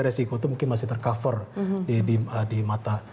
resiko itu mungkin masih tercover di mata